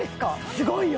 すごいよ！